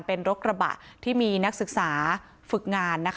เป็นรถกระบะที่มีนักศึกษาฝึกงาน